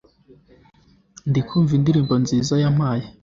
ndikumva indirimbo nziza yampaye